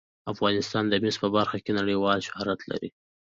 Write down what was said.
افغانستان د مس په برخه کې نړیوال شهرت لري.